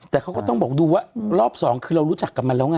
แต่เขาก็ต้องบอกดูว่ารอบสองคือเรารู้จักกับมันแล้วไง